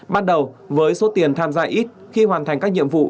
ban đầu với số tiền tham gia ít khi hoàn thành các nhiệm vụ